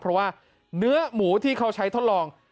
เพราะว่าเนื้อหมูที่เขาใช้ทดลอง